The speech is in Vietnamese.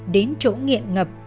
đến chỗ nghiện ngập